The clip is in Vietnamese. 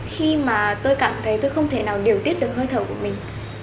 khi mà tôi cảm thấy tôi không thể nào điều tiết được hơi thở của mình